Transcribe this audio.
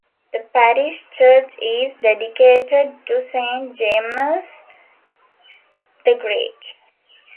The parish church is dedicated to Saint James the Great.